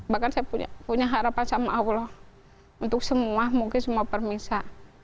bahkan saya punya harapan sama allah untuk semua mungkin semua permisa